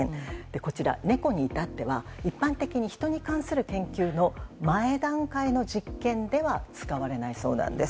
こちら、ネコに至っては一般的にヒトに関する研究の前段階の実験では使われないそうなんです。